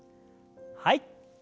はい。